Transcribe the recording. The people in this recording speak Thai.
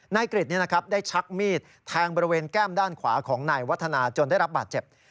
กริจได้ชักมีดแทงบริเวณแก้มด้านขวาของนายวัฒนาจนได้รับบาดเจ็บ